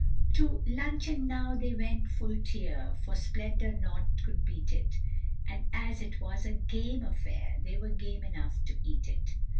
To luncheon now they went full tear, For splendour naught could beat it, And as it was a game affair, They were game enough to eat it.